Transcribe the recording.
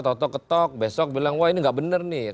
toko tok besok bilang wah ini enggak benar nih